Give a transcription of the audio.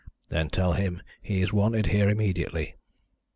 "Then tell him he is wanted here immediately."